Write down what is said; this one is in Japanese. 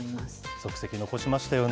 足跡残しましたよね。